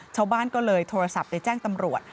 ชาวบ้านก็เลยโทรศัพท์ไปแจ้งตำรวจ